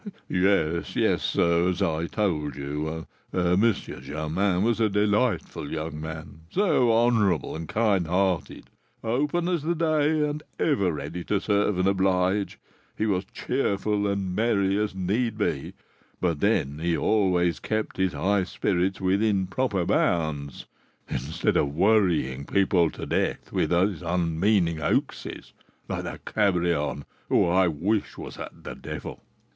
"Yes, yes, sir; as I told you, M. Germain was a delightful young man, so honourable and kind hearted, open as the day, and ever ready to serve and oblige; he was cheerful and merry as need be, but then he always kept his high spirits within proper bounds instead of worrying people to death by his unmeaning hoaxes, like that Cabrion, who I wish was at the devil!"